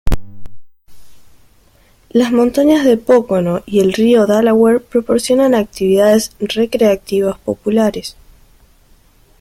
Las montañas de Pocono y el río Delaware proporcionan actividades recreativas populares.